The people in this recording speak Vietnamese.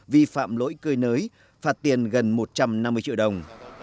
vi phạm lỗi cơi nới phạt tiền gần một trăm năm mươi triệu đồng